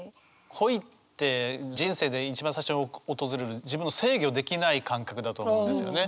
恋って人生で一番最初に訪れる自分を制御できない感覚だと思うんですよね。